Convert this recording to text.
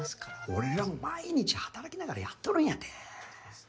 俺らも毎日働きながらやっとるんやて。